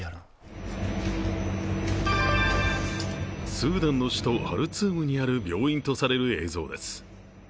スーダンの首都、ハルツームにあるとされる病院です。